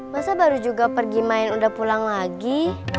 masa baru juga pergi main udah pulang lagi